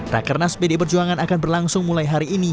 rakernas pdi perjuangan akan berlangsung mulai hari ini